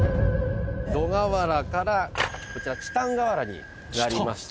土瓦からこちらチタン瓦になりまして。